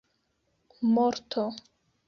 morto